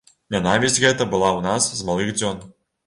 Нянавісць гэта была ў нас з малых дзён.